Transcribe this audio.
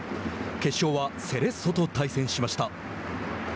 決勝はセレッソと対戦しました。